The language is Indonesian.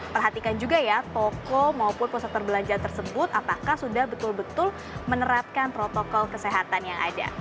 perhatikan juga ya toko maupun pusat perbelanjaan tersebut apakah sudah betul betul menerapkan protokol kesehatan yang ada